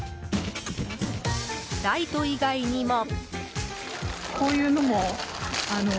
ライト以外にも。